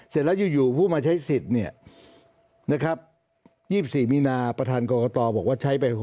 เสร็จแล้วอยู่ผู้มาใช้สิทธิ์เนี่ยนะครับ๒๔มีนาประธานกรกตบอกว่าใช้ไป๖